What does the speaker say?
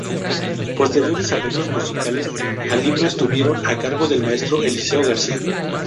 Posteriores arreglos musicales al himno estuvieron a cargo del maestro Eliseo García.